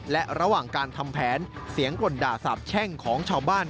และระหว่างการทำแผนเสียงกล่นด่าสาบแช่งของชาวบ้าน